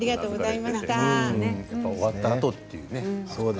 やっぱり終わったあとというね。